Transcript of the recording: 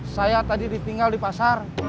saya tadi ditinggal di pasar